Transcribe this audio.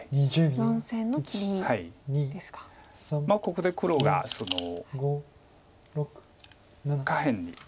ここで黒が下辺に。